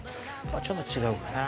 ちょっと違うかな。